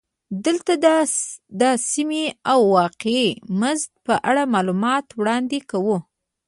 دلته د اسمي او واقعي مزد په اړه معلومات وړاندې کوو